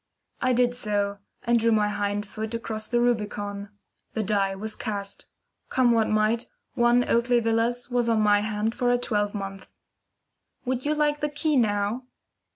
I did so, and drew my hind foot across the Rubicon. The die was cast. Come what might, 1 Oakley Villas was on my hand for a twelve month. "Would you like the key now?"